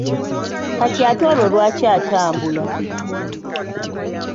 Kati ate olwo lwaki atambula?